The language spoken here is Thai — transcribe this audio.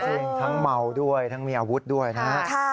จริงทั้งเมาด้วยทั้งมีอาวุธด้วยนะครับ